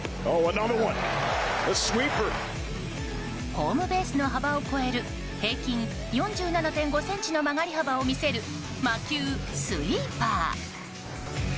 ホームベースの幅を超える平均４７．５ｃｍの曲がり幅を見せる魔球スイーパー。